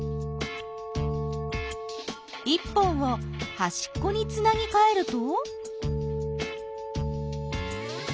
１本をはしっこにつなぎかえると？